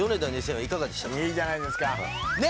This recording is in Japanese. いいじゃないですかねえ？